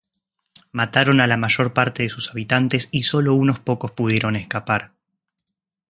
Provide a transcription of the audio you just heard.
Mataron a la mayor parte de sus habitantes y solo unos pocos pudieron escapar.